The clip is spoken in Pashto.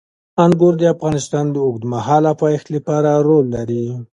انګور د افغانستان د اوږدمهاله پایښت لپاره رول لري.